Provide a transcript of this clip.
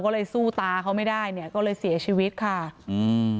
ก็เลยสู้ตาเขาไม่ได้เนี่ยก็เลยเสียชีวิตค่ะอืม